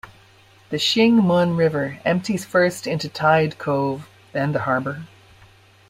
The Shing Mun River empties first into Tide Cove, then the harbour.